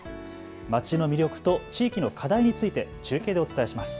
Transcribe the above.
街の魅力と地域の課題について中継でお伝えします。